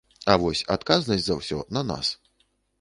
А вось адказнасць за ўсё на нас.